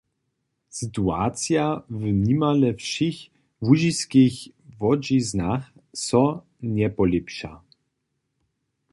Situacija w nimale wšěch łužiskich wodźiznach so njepolěpša.